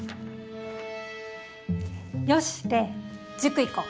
よしレイ塾行こう！